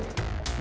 lagian juga nih